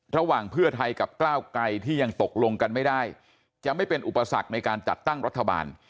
ระหว่างเพื่อไทยกับก้าวไกลที่ยังตกลงกันไม่ได้จะไม่เป็นอุปสรรคในการจัดตั้งรัฐบาล